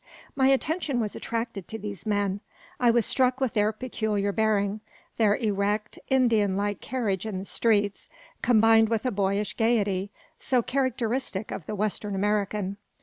My attention was attracted to these men. I was struck with their peculiar bearing; their erect, Indian like carriage in the streets, combined with a boyish gaiety, so characteristic of the western American.